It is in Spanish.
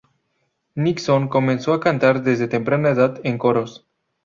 Nixon comenzó a cantar desde temprana edad en coros.